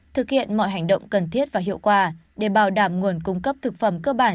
thực hiện mọi hành động cần thiết và hiệu quả để bảo đảm nguồn cung cấp thực phẩm cơ bản